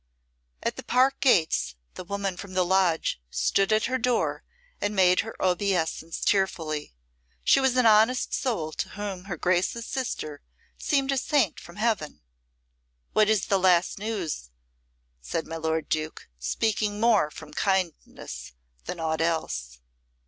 At the park gates the woman from the lodge stood at her door and made her obeisance tearfully. She was an honest soul to whom her Grace's sister seemed a saint from Heaven. "What is the last news?" said my lord Duke, speaking more from kindness than aught else.